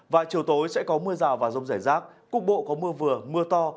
và chiều tối sẽ có mưa rào và rông rải rác cục bộ có mưa vừa mưa to